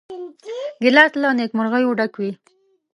ګیلاس له نیکمرغیو ډک وي.